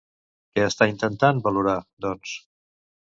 Què s'està intentant valorar, doncs?